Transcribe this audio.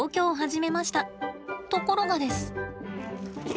ところがです。